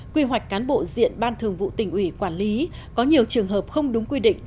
quy hoạch cán bộ diện ban thường vụ tỉnh ủy quản lý có nhiều trường hợp không đúng quy định